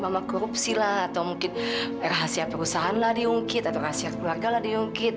mama korupsi lah atau mungkin rahasia perusahaan lah diungkit atau rahasia keluarga lah diungkit